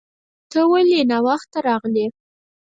ته ولې ناوخته راغلې